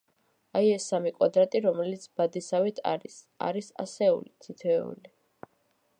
აი, ეს სამი კვადრატი, რომელიც ბადესავით არის, არის ასეული, თითოეული.